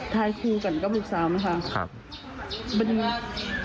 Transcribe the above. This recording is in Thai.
ท้ายครูกันกับลูกสาวนะครับครับ